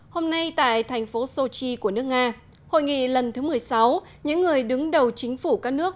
hôm nay tại thành phố sochi của nước nga hội nghị lần thứ một mươi sáu những người đứng đầu chính phủ các nước